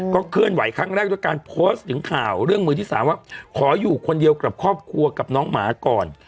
เคลื่อนไหวครั้งแรกด้วยการโพสต์ถึงข่าวเรื่องมือที่สามว่าขออยู่คนเดียวกับครอบครัวกับน้องหมาก่อน